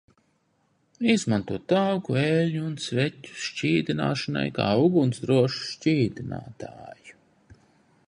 Izmanto tauku, eļļu un sveķu šķīdināšanai kā ugunsdrošu šķīdinātāju.